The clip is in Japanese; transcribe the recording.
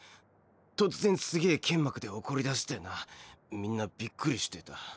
突然すげぇ剣幕で怒りだしてなみんなビックリしてた。